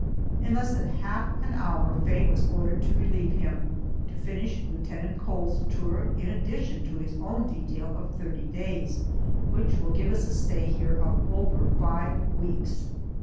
In less than half an hour Faye was ordered to relieve him, to finish Lieutenant Cole's tour in addition to his own detail of thirty days, which will give us a stay here of over five weeks.